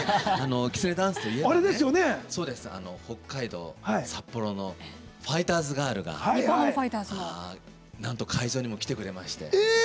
きつねダンスといえば北海道札幌のファイターズガールがなんと会場にも来てくれまして。